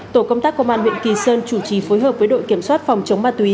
tổ công tác công an huyện kỳ sơn chủ trì phối hợp với đội kiểm soát phòng chống ma túy